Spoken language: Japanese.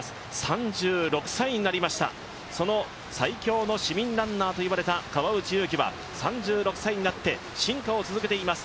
３６歳になりました、その最強の市民ランナーと言われた川内優輝は３６歳になって進化を続けています。